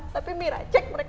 tapi mira cek mereka gak ada